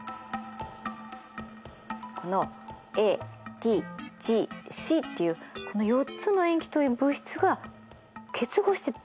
このＡＴＧＣっていうこの４つの塩基という物質が結合してできてるの。